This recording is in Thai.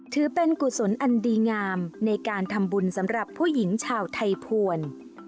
ถือเป็นกุศลอันดีงามในการทำบุญสำหรับผู้หญิงชาวไทยภวร